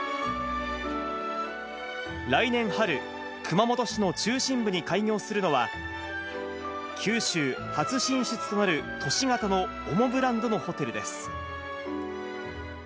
来年春、熊本市の中心部に開業するのは、九州初進出となる都市型のＯＭＯブランドのホテルです。